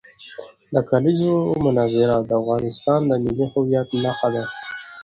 د کلیزو منظره د افغانستان د ملي هویت نښه ده.